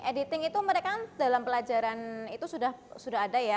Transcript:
editing itu mereka dalam pelajaran itu sudah ada ya